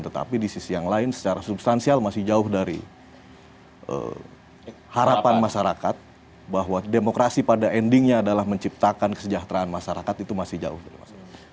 tetapi di sisi yang lain secara substansial masih jauh dari harapan masyarakat bahwa demokrasi pada endingnya adalah menciptakan kesejahteraan masyarakat itu masih jauh dari mas